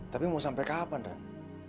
tapi mau sampai kapan rak